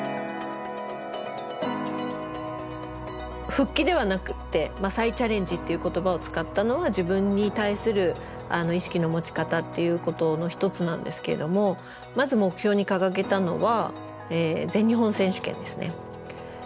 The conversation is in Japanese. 復帰ではなくって再チャレンジっていう言葉を使ったのは自分に対する意識の持ち方っていうことの一つなんですけれどもまず目標に掲げたのは全日本選手権ですね。